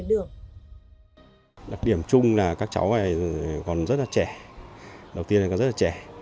đặc điểm chung là các cháu này còn rất là trẻ đầu tiên là rất là trẻ